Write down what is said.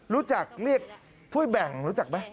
รู้จักเรียกถ้วยแบ่งรู้จักไหม